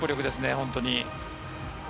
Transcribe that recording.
本当に。